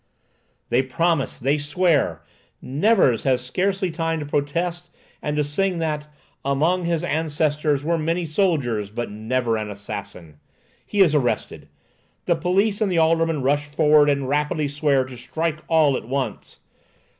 They promise, they swear. Nevers has scarcely time to protest, and to sing that "among his ancestors were many soldiers, but never an assassin." He is arrested. The police and the aldermen rush forward and rapidly swear "to strike all at once."